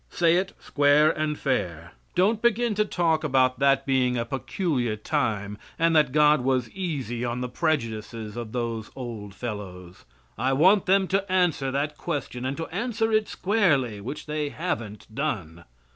Say it square and fair. Don't begin to talk about that being a peculiar time, and that God was easy on the prejudices of those old fellows. I want them to answer that question and to answer it squarely, which they haven't done.